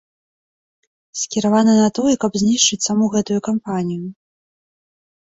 Скіраваная на тое, каб знішчыць саму гэтую кампанію.